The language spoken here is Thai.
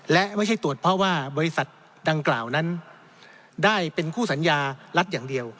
และไม่ใช่ตรวจเพราะว่าบริษัทดังกล่าวนั้นได้เป็นคู่สัญญารัฐอย่างเดียว